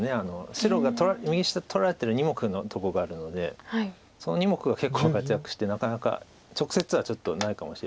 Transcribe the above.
白が右下取られてる２目のとこがあるのでその２目が結構活躍してなかなか直接はちょっとないかもしれません。